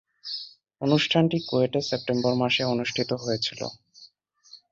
অনুষ্ঠানটি কুয়েটে সেপ্টেম্বর মাসে অনুষ্ঠিত হয়েছিলো।